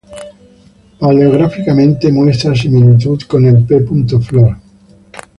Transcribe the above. Paleográficamente muestra similitud con el P. Flor.